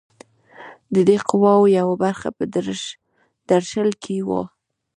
د دې قواوو یوه برخه په درشل کې وه.